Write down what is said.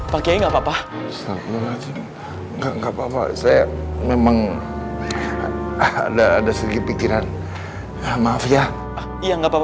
pak yai pak yai pak yai nggak papa papa saya memang ada sedikit pikiran maaf ya iya nggak